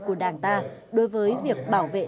của đảng ta đối với việc bảo vệ